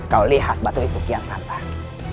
kau lihat batu itu kian santan